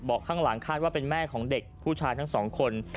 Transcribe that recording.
ข้างหลังคาดว่าเป็นแม่ของเด็กผู้ชายทั้งสองคน